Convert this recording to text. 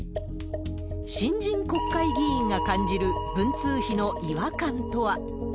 新人国会議員が感じる文通費の違和感とは。